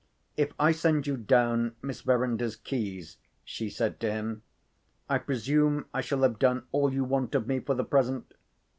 "If I send you down Miss Verinder's keys," she said to him, "I presume I shall have done all you want of me for the present?"